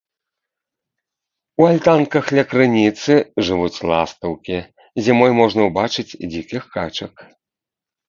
У альтанках ля крыніцы жывуць ластаўкі, зімой можна ўбачыць дзікіх качак.